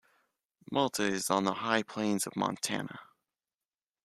Malta is on the High Plains of Montana.